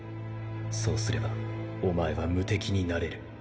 そうすればお前は無敵になれる